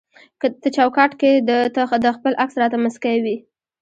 ته چوکاټ کي د خپل عکس راته مسکی وي